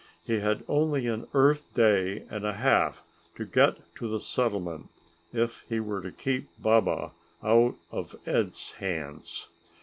He had only an Earth day and a half to get to the settlement if he were to keep Baba out of Ed's hands.